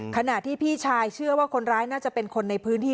ขณะที่พี่ชายเชื่อว่าคนร้ายน่าจะเป็นคนในพื้นที่